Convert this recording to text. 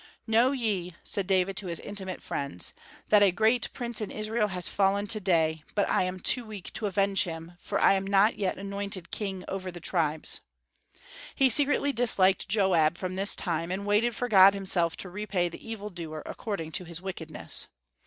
"Know ye," said David to his intimate friends, "that a great prince in Israel has fallen to day; but I am too weak to avenge him, for I am not yet anointed king over the tribes." He secretly disliked Joab from this time, and waited for God himself to repay the evil doer according to his wickedness.